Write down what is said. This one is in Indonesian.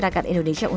dan kat roda